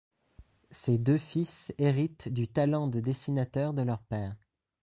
Ses deux fils héritent du talent de dessinateur de leur père.